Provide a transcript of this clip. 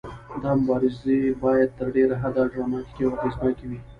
دا مبارزې باید تر ډیره حده ډراماتیکې او اغیزناکې وي.